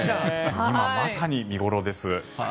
今、まさに見頃です。